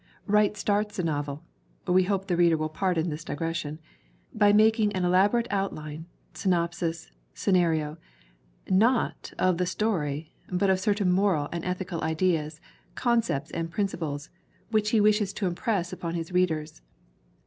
Wright starts a novel we hope the reader will pardon this digression by making an elaborate outline, synopsis, scenario, not of the story but of certain moral and ethical ideas, concepts and principles which he wishes to impress upon his read ers.